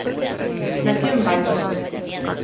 Nació en Viborg.